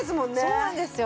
そうなんですよ。